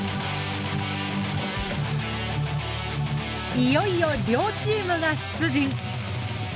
いよいよ両チームが出陣。